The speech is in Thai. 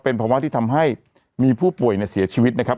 เป็นภาวะที่ทำให้มีผู้ป่วยเนี่ยเสียชีวิตนะครับ